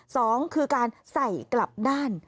สองคือการใส่กลับด้าน